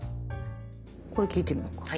これ聴いてみようか。